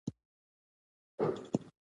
هغه وویل د شعر پر وخت زه بل انسان یم